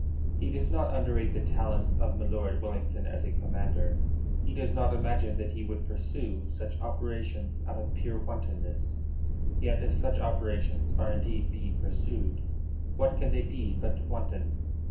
He does not underrate the talents of milord Wellington as a commander. He does not imagine that he would pursue such operations out of pure wantonness; yet if such operations are indeed being pursued, what can they be but wanton?